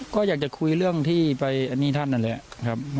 ก็อยากจะคุยเรื่องที่ไปอันนี้ท่านนั่นแหละครับ